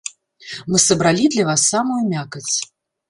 Мы сабралі для вас самую мякаць.